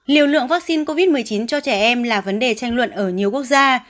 liều lượng vaccine covid một mươi chín cho trẻ em là vấn đề tranh luận ở nhiều quốc gia